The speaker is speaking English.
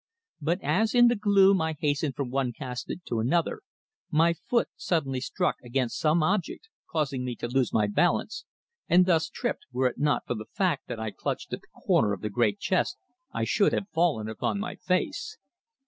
But, as in the gloom I hastened from one casket to another, my foot suddenly struck against some object, causing me to lose my balance, and thus tripped, were it not for the fact that I clutched at the corner of the great chest, I should have fallen upon my face.